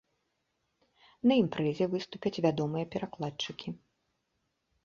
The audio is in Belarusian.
На імпрэзе выступяць вядомыя перакладчыкі.